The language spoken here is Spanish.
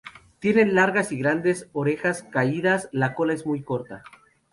Tienen largas y grandes orejas caídas, la cola es muy corta.